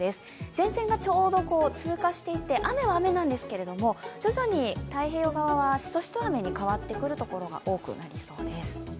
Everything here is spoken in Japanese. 前線がちょうど通過していって、雨は雨なんですけど、徐々に太平洋側はしとしと雨に変わってくるところが多くなりそうです。